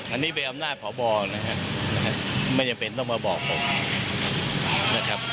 อันนี้เป็นอำนาจพบนะครับไม่จำเป็นต้องมาบอกผมนะครับ